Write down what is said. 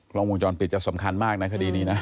กล้องวงจรปิดจะสำคัญมากนะคดีนี้นะ